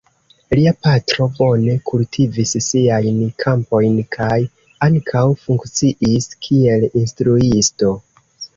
Lia patro bone kultivis siajn kampojn kaj ankaŭ funkciis kiel instruisto.